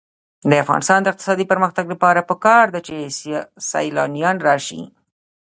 د افغانستان د اقتصادي پرمختګ لپاره پکار ده چې سیلانیان راشي.